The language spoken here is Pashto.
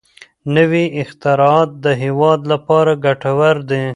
نوي اختراعات د هېواد لپاره ګټور دي.